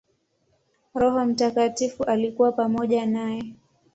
Roho Mtakatifu alikuwa pamoja naye.